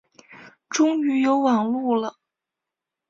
终于有网路了